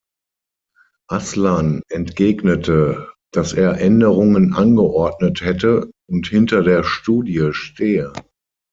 Aslan entgegnete, dass er Änderungen angeordnet hätte und hinter der Studie stehe.